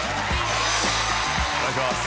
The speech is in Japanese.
お願いします